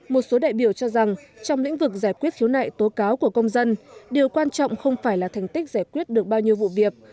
một số đại biểu cho rằng trong lĩnh vực giải quyết khiếu nại tố cáo của công dân điều quan trọng không phải là thành tích giải quyết được bao nhiêu vụ việc